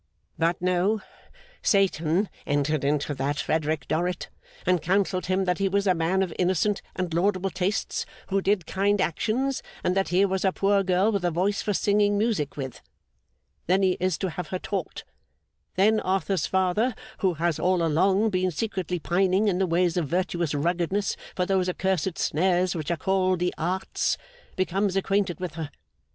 But, no. Satan entered into that Frederick Dorrit, and counselled him that he was a man of innocent and laudable tastes who did kind actions, and that here was a poor girl with a voice for singing music with. Then he is to have her taught. Then Arthur's father, who has all along been secretly pining in the ways of virtuous ruggedness for those accursed snares which are called the Arts, becomes acquainted with her.